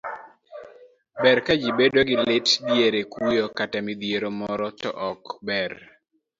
ber ka ji bedo gi lit diere kuyo kata midhiero moro to ok ber